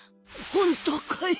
本当かい？